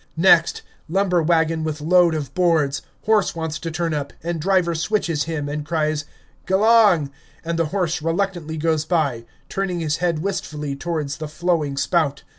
Next, lumber wagon with load of boards; horse wants to turn up, and driver switches him and cries "G'lang," and the horse reluctantly goes by, turning his head wistfully towards the flowing spout.